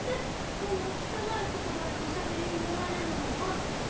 そんな汚い言葉でおしゃべりになられるのは。